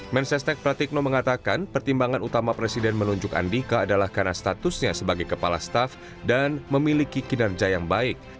mensesnek pratikno mengatakan pertimbangan utama presiden menunjuk andika adalah karena statusnya sebagai kepala staf dan memiliki kinerja yang baik